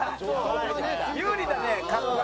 有利だね狩野が。